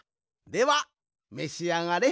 ではめしあがれ。